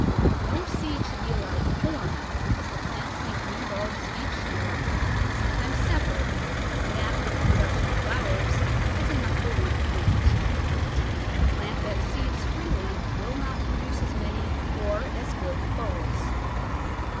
No seed should be allowed to form, as the plants make new bulbs each year, sometimes several, and that, with the production of flowers, is enough for one plant. A plant that seeds freely will not pro duce as many or as good bulbs.